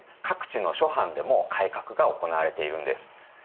各地の諸藩でも改革が行われているんです。